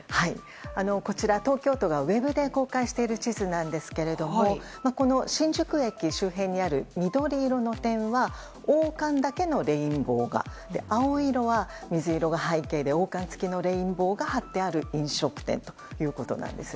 こちら東京都がウェブで公開している地図なんですがこの新宿駅周辺にある緑色の点は王冠だけのレインボーが青色は水色が背景で王冠つきのレインボーが貼ってある飲食店ということです。